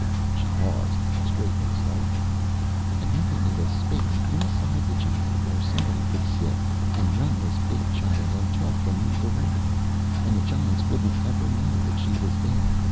She paused, straightening slightly. "And then they made a space inside the giant where somebody could sit and run this big giant and talk and move around and the giants wouldn't ever know that she was there.